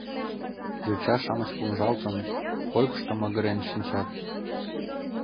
Йоча-шамыч помыжалтыныт, койкышто магырен шинчат.